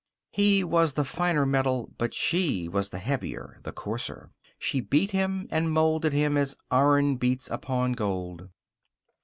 He was the finer metal, but she was the heavier, the coarser. She beat him and molded him as iron beats upon gold.